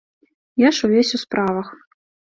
Я ж увесь у справах.